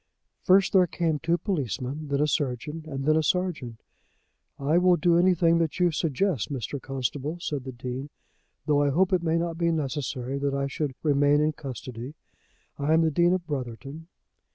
First there came two policemen, then a surgeon, and then a sergeant. "I will do anything that you suggest, Mr. Constable," said the Dean, "though I hope it may not be necessary that I should remain in custody. I am the Dean of Brotherton."